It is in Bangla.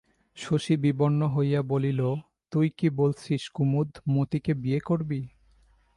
শশী বিবর্ণ হইয়া বলিল, তুই কী বলছিস কুমুদ, মতিকে বিয়ে করবি?